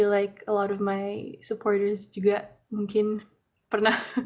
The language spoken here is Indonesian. dan saya merasa seperti banyak supporter saya juga mungkin pernah